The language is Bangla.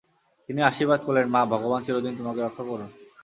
তিনি আশীর্বাদ করলেন, মা, ভগবান চিরদিন তোমাকে রক্ষা করুন।